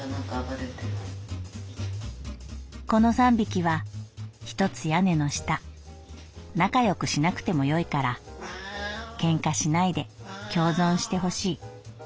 「この三匹は一つ屋根の下仲良くしなくてもよいから喧嘩しないで共存してほしい。